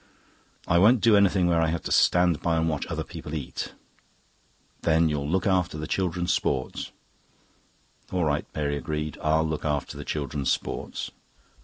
"I won't do anything where I have to stand by and watch other people eat." "Then you'll look after the children's sports." "All right," Mary agreed. "I'll look after the children's sports."